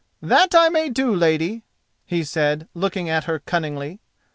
"That I may do, lady," he said, looking at her cunningly.